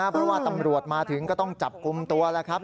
เพราะว่าตำรวจมาถึงก็ต้องจับกลุ่มตัวแล้วครับ